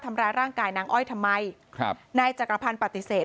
ทำร้ายร่างกายนางอ้อยทำไมครับนายจักรพันธ์ปฏิเสธ